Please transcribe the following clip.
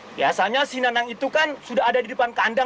biasanya sinang itu kan sudah ada di depan kandang